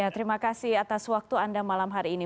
terima kasih atas waktu anda malam hari ini